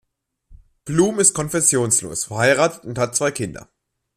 Bluhm ist konfessionslos, verheiratet und hat zwei Kinder.